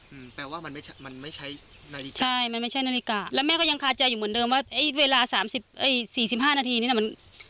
อืมแปลว่ามันไม่ใช่มันไม่ใช้นาฬิกาใช่มันไม่ใช่นาฬิกาแล้วแม่ก็ยังคาใจอยู่เหมือนเดิมว่าไอ้เวลาสามสิบเอ้ยสี่สิบห้านาทีนี่น่ะมัน